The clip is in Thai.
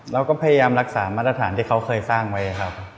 เราก็พยายามรักษามาตรฐานที่เขาเคยสร้างไว้ครับ